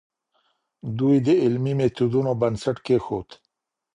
دوی د علمي میتودونو بنسټ کيښود.